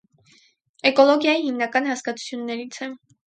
Էկոլոգիայի հիմնական հասկացություններից է։